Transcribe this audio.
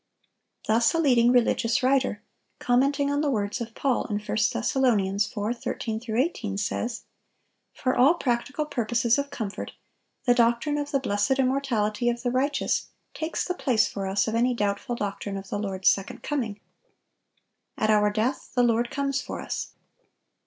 Thus a leading religious writer, commenting on the words of Paul in 1 Thess. 4:13 18, says: "For all practical purposes of comfort the doctrine of the blessed immortality of the righteous takes the place for us of any doubtful doctrine of the Lord's second coming. At our death the Lord comes for us.